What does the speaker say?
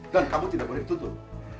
dan kamu tidak boleh dituntun